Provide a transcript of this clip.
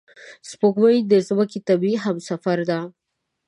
سپوږمۍ د ځمکې طبیعي همسفره ده